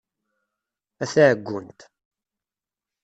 A taɛeggunt!